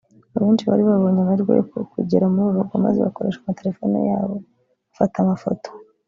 Abenshi bari babonye amahirwe yo kugera muri uru rugo maze bakoresha amatelefone yabo bafata amafoto